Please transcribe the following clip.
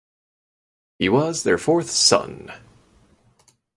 He was their fourth son.